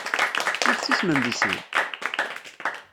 I tessusmem deg sin?